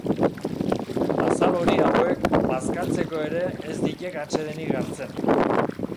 Azal-hori hauek bazkaltzeko ere ez ditek atsedenik hartzen.